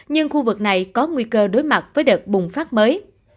nhưng khu vực này có nguy cơ đối mặt với đợt bùng phát mới